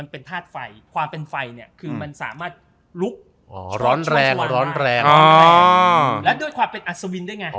เพราะด้วยความเป็นอัศวินด้วยไง